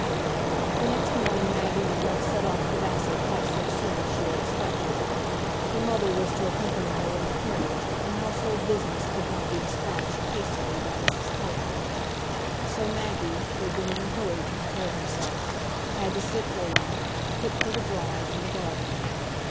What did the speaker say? The next morning Maggie did not set off to Basset quite so soon as she had expected. Her mother was to accompany her in the carriage, and household business could not be dispatched hastily by Mrs Tulliver. So Maggie, who had been in a hurry to prepare herself, had to sit waiting, equipped for the drive, in the garden.